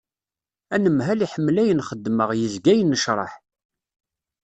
Anemhal iḥemmel ayen xeddmeɣ yezga yennecraḥ.